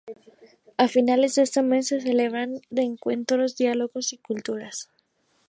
A finales de este mes se celebran los Encuentros: diálogos de culturas.